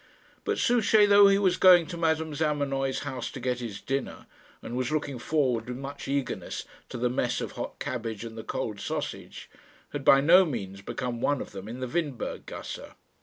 But Souchey, though he was going to Madame Zamenoy's house to get his dinner, and was looking forward with much eagerness to the mess of hot cabbage and the cold sausage, had by no means become "one of them" in the Windberg gasse.